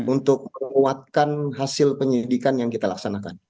untuk menguatkan hasil penyelidikan yang kita lakukan